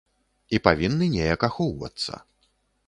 І павінны неяк ахоўвацца.